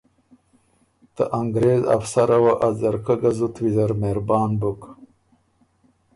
ته انګرېز افسره وه ا ځرکۀ ګه زُت ویزر مهربان بُک